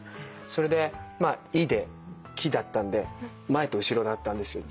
それで「い」で「き」だったんで前と後ろだったんですよ